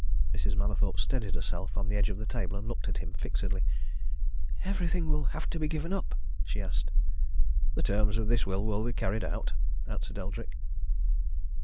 Mrs. Mallathorpe steadied herself on the edge of the table and looked at him fixedly. "Everything'll have to be given up?" she asked. "The terms of this will will be carried out," answered Eldrick.